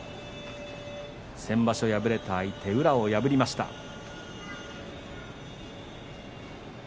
先場所敗れた相手、宇良を破りました。